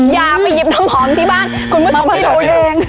อย่าไปหยิบน้ำหอมที่บ้านคุณผู้ชมไปดูเอง